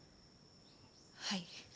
はい。